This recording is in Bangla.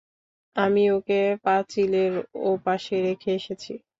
আমি ওকে পাঁচিলের ওপাশে রেখে এসেছি।